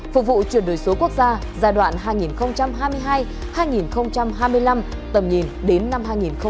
phục vụ chuyển đổi số quốc gia giai đoạn hai nghìn hai mươi hai hai nghìn hai mươi năm tầm nhìn đến năm hai nghìn ba mươi